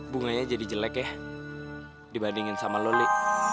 bunganya jadi jelek ya dibandingin sama lo li